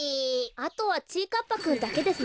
あとはちぃかっぱくんだけですね。